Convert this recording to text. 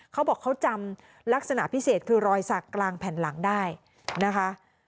เขาบอกเขาจำลักษณะพิเศษคือรอยสักกลางแผ่นหลังได้นะคะ